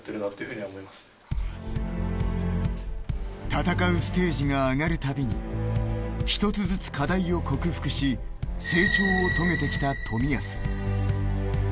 戦うステージが上がる度に一つずつ課題を克服し成長を遂げてきた冨安。